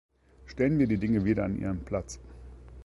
Stellen wir die Dinge wieder an ihren Platz.